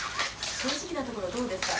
正直なところどうですか？